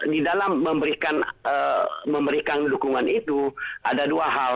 di dalam memberikan dukungan itu ada dua hal